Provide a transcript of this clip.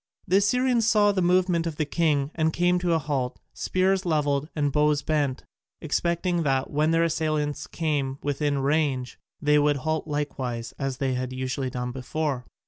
The Assyrians saw the movement of the king and came to a halt, spears levelled and bows bent, expecting that, when their assailants came within range, they would halt likewise as they had usually done before.